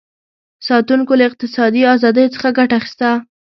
ساتونکو له اقتصادي ازادیو څخه ګټه اخیسته.